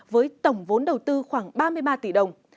với tổng vốn đầu tư khoảng ba mươi ba tỷ đồng